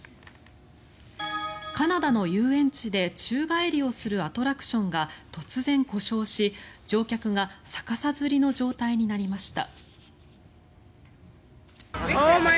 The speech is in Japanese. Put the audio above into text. カナダの遊園地で宙返りをするアトラクションが突然故障し、乗客が逆さづりの状態になりました。